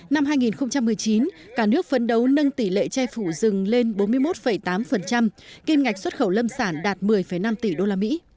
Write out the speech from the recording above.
năm hai nghìn một mươi chín cả nước phấn đấu nâng tỷ lệ che phủ rừng lên bốn mươi một tám kiêm ngạch xuất khẩu lâm sản đạt một mươi năm tỷ usd